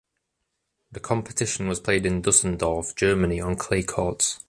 The competition was played in Düsseldorf, Germany, on clay courts.